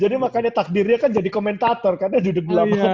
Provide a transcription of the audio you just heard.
jadi makanya takdirnya kan jadi komentator karena duduk di lapangan